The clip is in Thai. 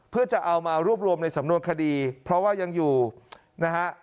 เพื่อจะเอามารวบรวมในสำนวนคดีเพราะว่ายังอยู่นะฮะ